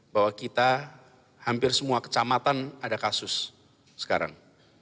bahwa kita hampir semua kecamatan ada kasus sekarang